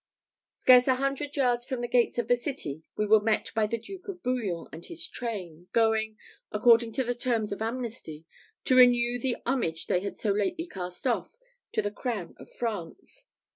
Scarce a hundred yards from the gates of the city, we were met by the Duke of Bouillon and his train, going, according to the terms of amnesty, to renew the homage he had so lately cast off, to the crown of France.